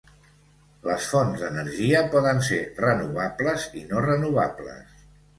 Les fonts d'energia poden ser renovables i no renovables.